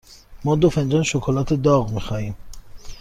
ما دو فنجان شکلات داغ می خواهیم.